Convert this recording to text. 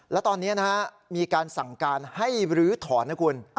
แล้วตอนนี้นะฮะมีการสั่งการให้รื้อถอนนะคุณ